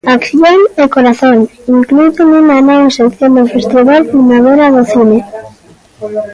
'Acción e corazón', incluído nunha nova sección do festival Primavera do Cine.